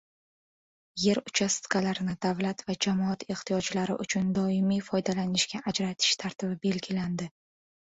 Er uchastkalarini davlat va jamoat ehtiyojlari uchun doimiy foydalanishga ajratish tartibi belgilandi